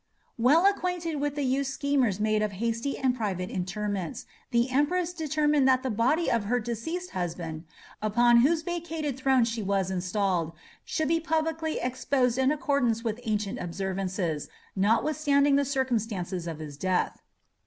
Well acquainted with the use schemers made of hasty and private interments, the Empress determined that the body of her deceased husband, upon whose vacated throne she was installed, should be publicly exposed in accordance with ancient observances, notwithstanding the circumstances of his death.